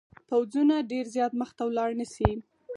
پوځونه ډېر زیات مخته ولاړ نه شي.